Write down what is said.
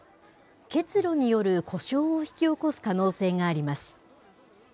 結露による故障を引き起こす可能性があります。